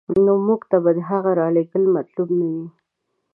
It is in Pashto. نو موږ ته به د هغه رالېږل مطلوب نه وي.